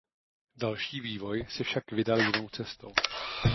Další vývoj se však vydal jinou cestou.